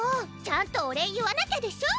ちゃんとお礼言わなきゃでしょ！